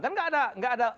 kan enggak ada